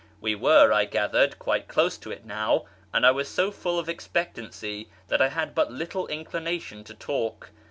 We were, I gathered, quite close to it now, and I was so full of expectancy that I had but little inclination to talk.